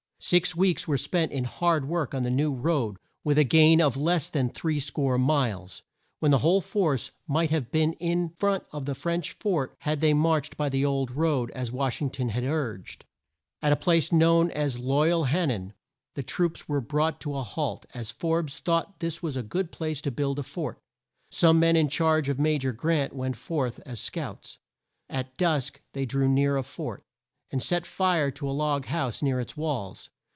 Six weeks were spent in hard work on the new road with a gain of less than three score miles, when the whole force might have been in front of the French fort had they marched by the old road as Wash ing ton had urged. At a place known as Loy al Han nan, the troops were brought to a halt, as Forbes thought this was a good place to build a fort. Some men in charge of Ma jor Grant went forth as scouts. At dusk they drew near a fort, and set fire to a log house near its walls.